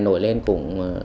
nổi lên cũng